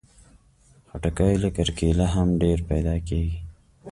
خټکی له کرکيله هم ډېر پیدا کېږي.